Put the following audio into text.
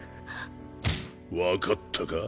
分かったか？